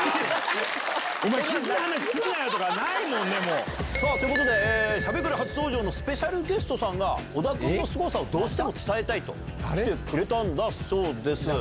お前キスの話するなよとか、さあ、ということで、しゃべくり初登場のスペシャルゲストさんが、小田君のすごさをどうしても伝えたいと、来てくれたんだそうです。